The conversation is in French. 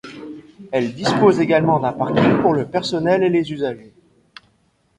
Elle dispose également d’un parking pour le personnel et les usagers.